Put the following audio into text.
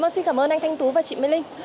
xin cảm ơn anh thanh tú và chị mê linh